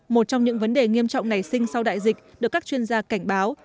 một trong những vấn đề nghiêm trọng nảy sinh sau đại dịch được các chuyên gia cảnh báo